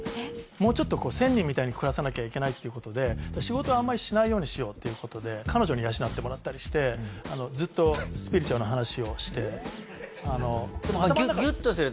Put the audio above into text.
もうちょっと仙人みたいに暮らさなきゃいけないって事で仕事をあんまりしないようにしようっていう事で彼女に養ってもらったりしてずっとスピリチュアルの話をして。